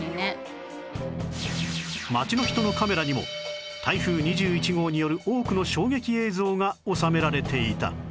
街の人のカメラにも台風２１号による多くの衝撃映像が収められていた